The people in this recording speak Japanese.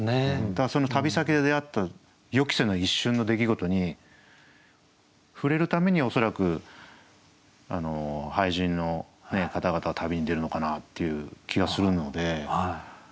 だからその旅先で出会った予期せぬ一瞬の出来事に触れるために恐らく俳人の方々は旅に出るのかなっていう気がするので。